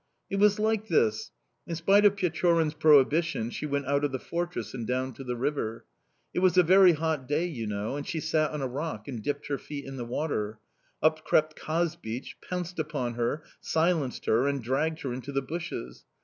"It was like this: in spite of Pechorin's prohibition, she went out of the fortress and down to the river. It was a very hot day, you know, and she sat on a rock and dipped her feet in the water. Up crept Kazbich, pounced upon her, silenced her, and dragged her into the bushes.